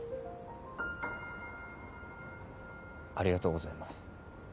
ありがとうございます。